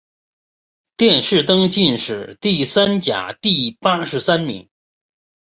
殿试登进士第三甲第八十三名。